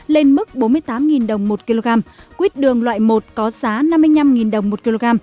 lên mức bốn mươi tám đồng một kg quýt đường loại một có giá năm mươi năm đồng một kg